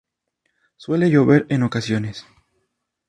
Suele llover en ocasiones.